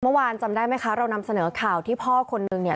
จำได้ไหมคะเรานำเสนอข่าวที่พ่อคนนึงเนี่ย